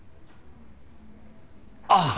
ああ！